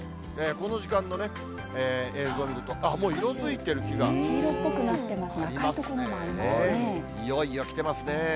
この時間の映像見ると、あっ、黄色っぽくなってます、いよいよきてますね。